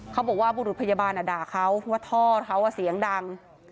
เขาบอกว่าบุรุษพยาบาลด่าเขาว่าท่อเขาเสียงดัง